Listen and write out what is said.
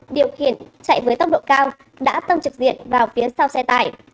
điều khiển chạy với tốc độ cao đã tông trực diện vào phía sau xe tải